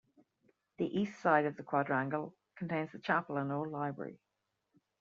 The east side of the quadrangle contains the chapel and old library.